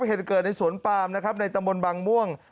เหตุเกิดในสวนปามนะครับในตะมนต์บางม่วง